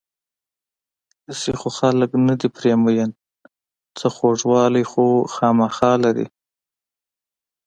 هسې خو خلک نه دي پرې مین، څه خوږوالی خو خوامخا لري.